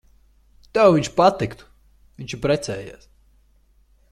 Tev viņš patiktu. Viņš ir precējies.